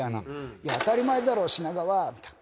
「いや当たり前だろ品川」みたいな。